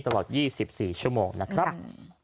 ตลอด๒๔ชั่วโมงนะครับ